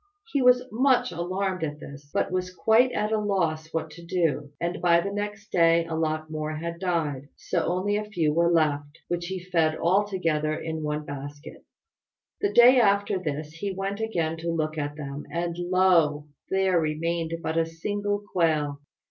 He was much alarmed at this, but was quite at a loss what to do; and by the next day a lot more had died, so that only a few were left, which he fed all together in one basket. The day after this he went again to look at them, and lo! there remained but a single quail.